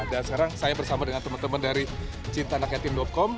dan sekarang saya bersama dengan teman teman dari cintanakitim com